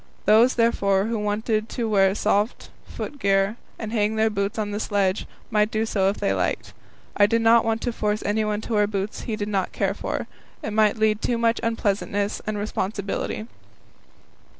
Those, therefore, who wanted to wear soft foot gear, and hang their boots on the sledge, might do so if they liked. I did not want to force anyone to wear boots he did not care for; it might lead to too much unpleasantness and responsibility.